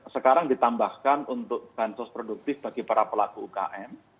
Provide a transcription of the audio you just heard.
sekarang ditambahkan untuk bansos produktif bagi para pelaku ukm